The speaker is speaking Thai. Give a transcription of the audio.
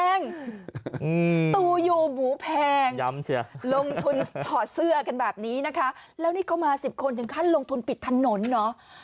ลงทุนถอดเสื้อกันแบบนี้นะคะแล้วนี่เขามา๑๐คนถึงขั้นลงทุนปิดถนนเนอะ